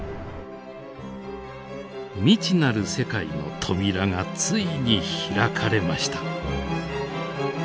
未知なる世界の扉がついに開かれました。